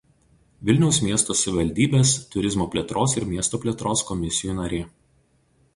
Vilniaus miesto savivaldybės Turizmo plėtros ir Miesto plėtros komisijų narė.